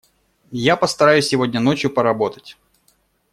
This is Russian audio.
Я постараюсь сегодня ночью поработать.